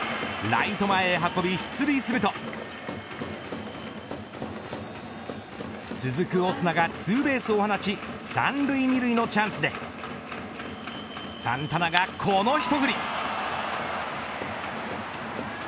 ライト前へ運び出塁すると続くオスナがツーベースを放ち３塁、２塁のチャンスでサンタナがこの一振り。